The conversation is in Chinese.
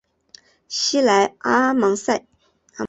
西莱阿芒塞。